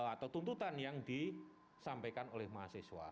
atau tuntutan yang disampaikan oleh mahasiswa